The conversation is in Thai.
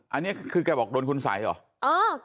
อันนี้คือแกบอกโดนคุณสัยเหรอ